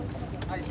はい。